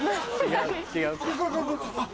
違う？